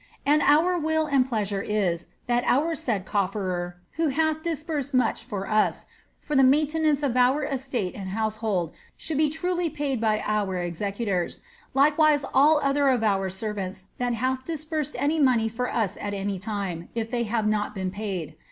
And our will and pleasure is, that our said cofferer, who hath disbursed much ibr u^ for tlie maintenance of our estate and household, should be truly paid by oar executors, likewise all other of our servants that hath disbursed any money fix us at any time, if they have not been paid.